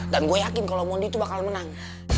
dan gue yakin kalau mondi itu bakal menang